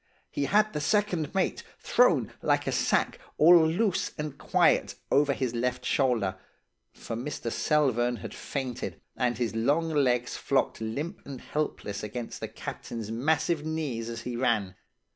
He had the second mate, thrown like a sack, all loose and quiet, over his left shoulder; for Mr. Selvern had fainted, and his long legs flogged limp and helpless against the captain's massive knees as he ran.